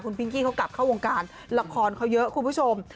พิงกี้เขากลับเข้าวงการละครเขาเยอะคุณผู้ชม